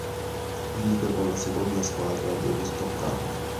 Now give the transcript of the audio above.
Liga con la seconda squadra dello Stoccarda.